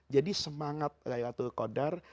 jadi semangat laylatul qadar